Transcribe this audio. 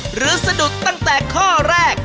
สะดุดตั้งแต่ข้อแรก